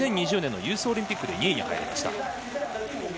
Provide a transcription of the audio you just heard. ２０２０年のユースオリンピックで２位に入りました。